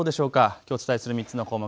きょうお伝えする３つの項目